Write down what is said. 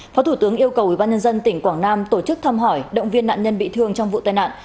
phó thủ tướng yêu cầu ủy ban nhân dân tỉnh quảng nam tổ chức thăm hỏi động viên nạn nhân bị thương trong vụ tai nạn